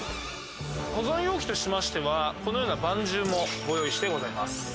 保存容器としましてはこのようなばんじゅうもご用意してございます。